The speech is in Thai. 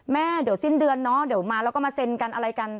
เดี๋ยวสิ้นเดือนเนาะเดี๋ยวมาแล้วก็มาเซ็นกันอะไรกัน